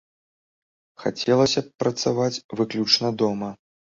Хацелася б працаваць выключна дома.